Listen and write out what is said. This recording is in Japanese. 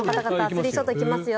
スリーショット行きますよ。